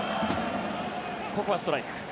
ここはストライク。